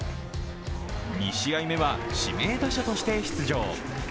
２試合目は、指名打者として出場。